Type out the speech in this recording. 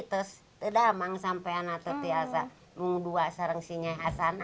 tapi tidak sampai tetap berusia dua tahun